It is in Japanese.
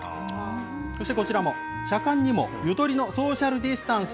そしてこちらも、車間にもゆとりのソーシャルディスタンス。